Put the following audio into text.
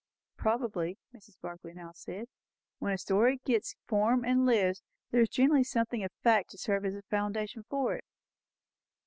"Probably," Mrs. Barclay now said. "When a story gets form and lives, there is generally some thing of fact to serve as foundation for it."